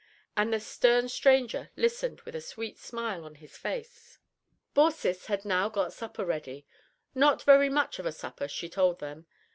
And the stern stranger listened with a sweet smile on his face. Baucis had now got supper ready; not very much of a supper, she told them.